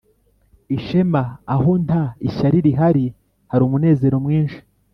ishema aho nta ishyari rihari, hari umunezero mwinshi;